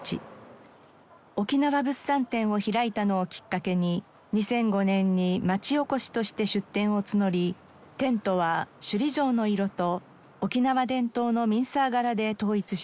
沖縄物産展を開いたのをきっかけに２００５年に町おこしとして出店を募りテントは首里城の色と沖縄伝統のミンサー柄で統一しました。